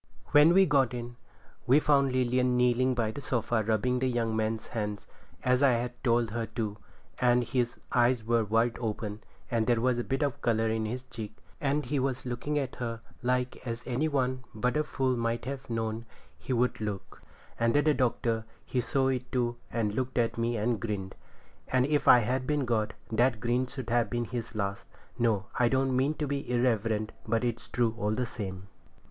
When we got in, we found Lilian kneeling by the sofa rubbing the young man's hands as I had told her to, and his eyes were open, and there was a bit of colour in his cheek, and he was looking at her like as any one but a fool might have known he would look; and the Doctor, he saw it too, and looked at me and grinned; and if I had been God, that grin should have been his last. No, I don't mean to be irreverent, but it's true, all the same.